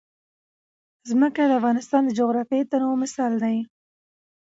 ځمکه د افغانستان د جغرافیوي تنوع مثال دی.